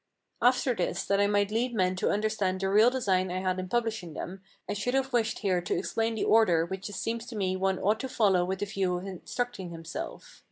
After this, that I might lead men to understand the real design I had in publishing them, I should have wished here to explain the order which it seems to me one ought to follow with the view of instructing himself.